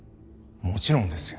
もちろんですよ